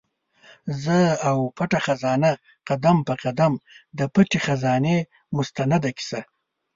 زه او پټه خزانه؛ قدم په قدم د پټي خزانې مستنده کیسه